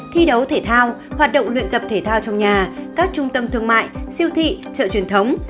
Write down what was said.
thi đấu thể thao hoạt động luyện tập thể thao trong nhà các trung tâm thương mại siêu thị chợ truyền thống